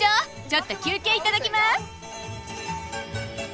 ちょっと休憩いただきます！